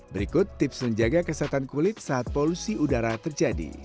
berikut tips menjaga kesehatan kulit saat polusi udara terjadi